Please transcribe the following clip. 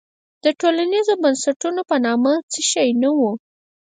د ټولنیزو بنسټونو په نامه څه شی نه وو.